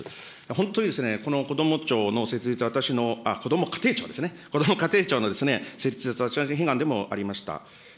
本当にこのこども庁の設立、私、こども家庭庁ですね、こども家庭庁の設立は私の悲願でもありました。